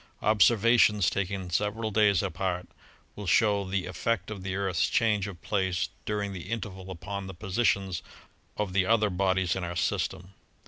Observations, taken several days apart, will show the effect of the Earth's change of place during the interval upon the positions of the other bodies of our system.